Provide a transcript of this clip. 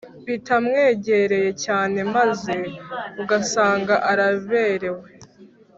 bitamwegereye cyane, maze ugasanga araberewe.